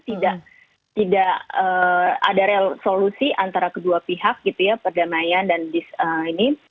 tidak ada resolusi antara kedua pihak gitu ya perdamaian dan ini